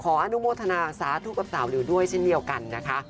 อนุโมทนาสาธุกับสาวหลิวด้วยเช่นเดียวกันนะคะ